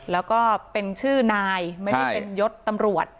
แล้วก็เป็นชื่อนายไม่ได้เป็นยศตำรวจ